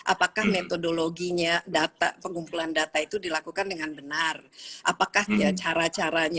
apakah metodologinya data pengumpulan data itu dilakukan dengan benar apakah ya cara caranya